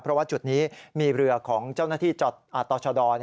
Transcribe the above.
เพราะว่าจุดนี้มีเรือของเจ้าหน้าที่ต่อชะดอ